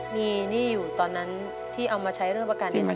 มีหนี้อยู่ตอนนั้นที่เอามาใช้เรื่องประกันเงิน